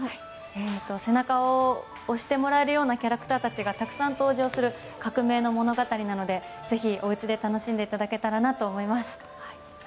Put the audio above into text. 背中を押してもらえるようなキャラクターたちが登場する革命の物語なので、ぜひお家で楽しんでいただけたらなと思います。